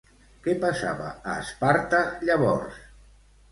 Què passava a Esparta llavors?